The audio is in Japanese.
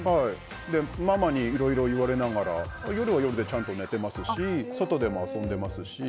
ママにいろいろ言われながら夜は夜でちゃんと寝てますし外でも遊んでますし。